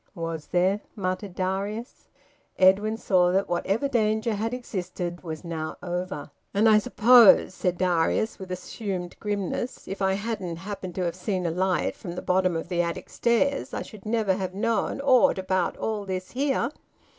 "Was there?" muttered Darius. Edwin saw that whatever danger had existed was now over. "And I suppose," said Darius, with assumed grimness, "if I hadn't happened to ha' seen a light from th' bottom o' th' attic stairs I should never have known aught about all this here?"